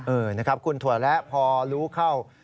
เออนะครับคุณถั่วแระพอรู้เข้า